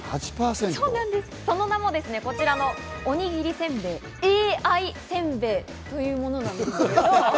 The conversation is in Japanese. その名もこちら、おにぎりせんべいＡＩせんべいというものです。